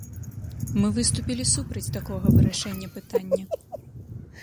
Мы выступілі супраць такога вырашэння пытання.